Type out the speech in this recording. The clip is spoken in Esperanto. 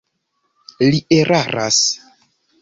Li eraras.